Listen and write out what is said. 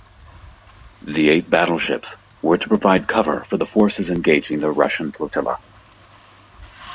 The eight battleships were to provide cover for the forces engaging the Russian flotilla.